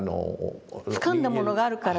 つかんだものがあるからですね。